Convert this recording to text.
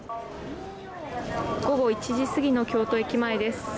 午後１時過ぎの京都駅前です。